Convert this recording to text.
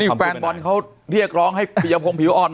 แฟนบอลเขาเรียกร้องให้ปียพงศ์ผิวอ่อน